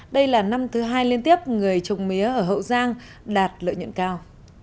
đây là năm thứ hai liên tiếp người trồng mía ở hậu giang đạt lợi nhuận cao